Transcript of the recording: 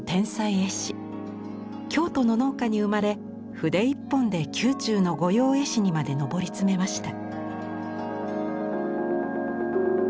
京都の農家に生まれ筆一本で宮中の御用絵師にまで上り詰めました。